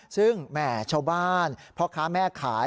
ซึ่งแหม่ชาวบ้านพ่อค้าแม่ขาย